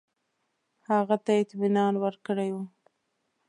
هغه ته یې اطمینان ورکړی وو.